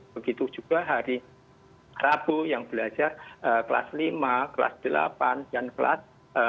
begitu juga hari rabu yang belajar kelas lima kelas delapan dan kelas tiga